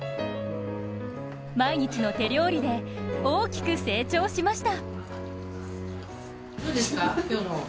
毎日の手料理で大きく成長しました。